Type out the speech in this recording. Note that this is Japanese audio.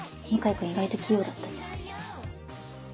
君意外と器用だったじゃん。